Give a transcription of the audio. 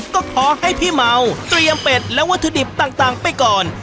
ก็ขอให้พี่เมาเตรียมเป็ดและวัตถุดิบต่างไปก่อน